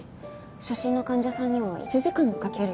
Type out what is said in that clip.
初診の患者さんには１時間もかけるじゃない。